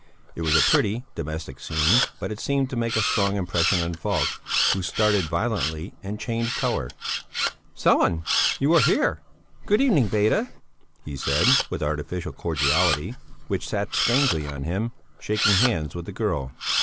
It was a pretty, domestic scene, but it seemed to make a strong impression on Falk, who started violently and changed colour. "Sellén! You here? Good evening, Beda!" he said, with artificial cordiality which sat strangely on him, shaking hands with the girl.